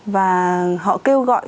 và họ kêu gọi